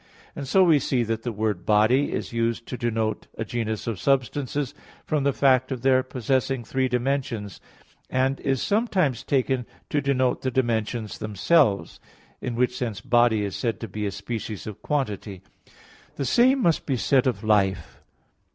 And so we see that the word "body" is used to denote a genus of substances from the fact of their possessing three dimensions: and is sometimes taken to denote the dimensions themselves; in which sense body is said to be a species of quantity. The same must be said of life.